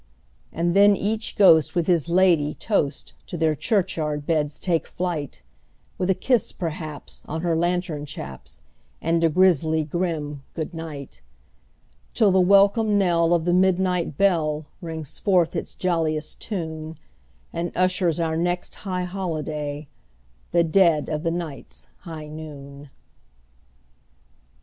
And then each ghost with his ladye toast to their churchyard beds take flight, With a kiss, perhaps, on her lantern chaps, and a grisly grim "good night"; Till the welcome knell of the midnight bell rings forth its jolliest tune, And ushers our next high holiday—the dead of the night's high noon!